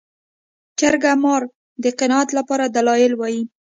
جرګه مار د قناعت لپاره دلایل وايي